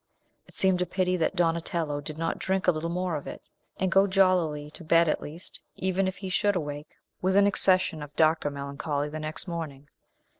It seemed a pity that Donatello did not drink a little more of it, and go jollily to bed at least, even if he should awake with an accession of darker melancholy the next morning.